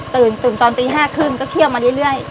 ตื่นตื่นตอนตี๕๓๐ก็เคี่ยวมาเรื่อย